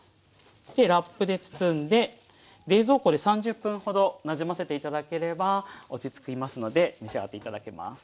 ラップで包んで冷蔵庫で３０分ほどなじませて頂ければ落ち着きますので召し上がって頂けます。